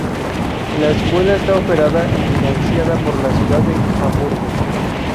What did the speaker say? La escuela está operada y financiada por la ciudad de Hamburgo.